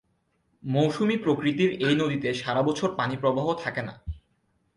মৌসুমি প্রকৃতির এই নদীতে সারাবছর পানিপ্রবাহ থাকে না।